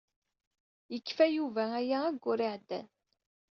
Yekfa Yuba aya ayyur iɛeddan.